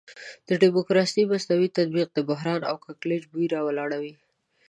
د ډیموکراسي مصنوعي تطبیق د بحران او کړکېچ بوی راولاړوي.